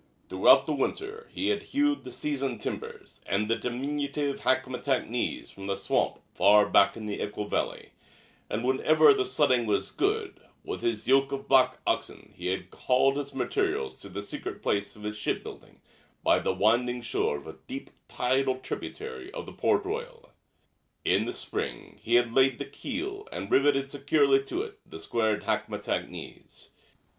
Throughout the winter he had hewed the seasoned timbers and the diminutive hackmatack "knees" from the swamp far back in the Equille Valley; and whenever the sledding was good with his yoke of black oxen he had hauled his materials to the secret place of his shipbuilding by the winding shore of a deep tidal tributary of the Port Royal. In the spring he had laid the keel and riveted securely to it the squared hackmatack knees.